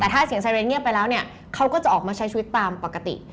ถ้าเสียงแน่บไปแล้วเนี่ยเขาก็จะออกมาใช้ชีวิตตามปกติ